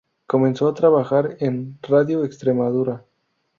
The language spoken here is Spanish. Comenzó a trabajar en "Radio Extremadura".